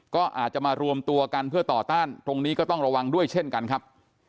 ก็อาจจะมารวมตัวกันเพื่อต่อต้านตรงนี้ก็ต้องระวังด้วยเช่นกันครับ